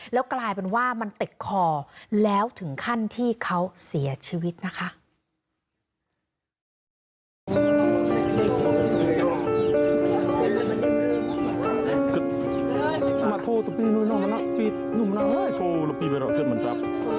แล้วกลายเป็นว่ามันติดคอแล้วถึงขั้นที่เขาเสียชีวิตนะคะ